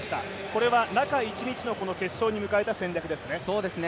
これは中一日の決勝に迎えた戦略ですね。